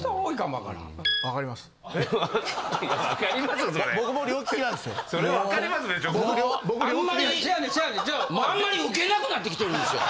もうあんまりウケなくなってきてるんですよ。